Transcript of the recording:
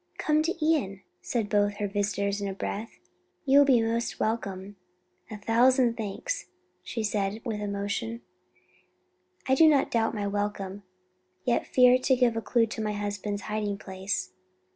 "Come to Ion," said both her visitors in a breath, "you will be most welcome." "A thousand thanks," she answered with emotion. "I do not doubt my welcome; yet fear to give a clue to my husband's hiding place."